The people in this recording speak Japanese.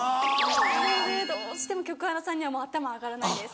なのでどうしても局アナさんには頭上がらないです。